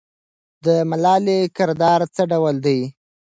د ملالۍ کردار څه ډول دی؟